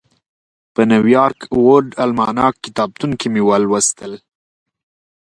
په نیویارک ورلډ الماناک کتابتون کې مې ولوستل.